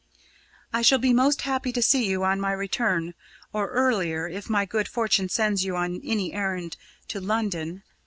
"I shall be most happy to see you on my return or earlier, if my good fortune sends you on any errand to London.